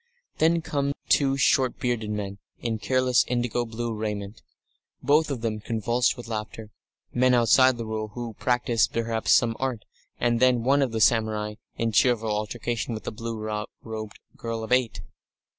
Then come two short bearded men in careless indigo blue raiment, both of them convulsed with laughter men outside the Rule, who practise, perhaps, some art and then one of the samurai, in cheerful altercation with a blue robed girl of eight.